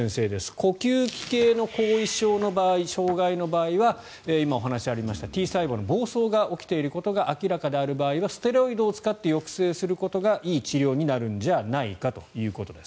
呼吸器系の後遺症の場合障害の場合は今お話がありましたＴ細胞の暴走が起きていることが明らかである場合はステロイドを使って抑制することがいい治療になるのではないかということです。